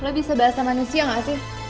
lo bisa bahas sama manusia gak sih